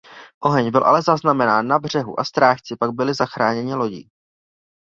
Oheň byl ale zaznamenán na břehu a strážci pak byli zachráněni lodí.